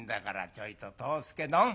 ちょいと藤助どん。